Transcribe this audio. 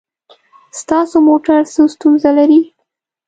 ستاسو موټر څه ستونزه لري؟